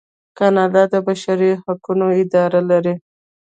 کاناډا د بشري حقونو اداره لري.